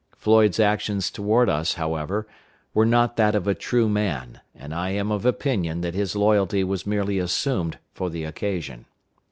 Floyd's actions toward us, however, were not those of a true man, and I am of opinion that his loyalty was merely assumed for the occasion.